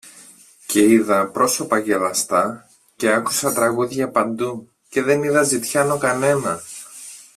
Και είδα πρόσωπα γελαστά, και άκουσα τραγούδια παντού, και δεν είδα ζητιάνο κανένα.